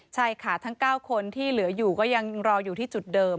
ใช่ค่ะทั้ง๙คนที่เหลืออยู่ก็ยังรออยู่ที่จุดเดิม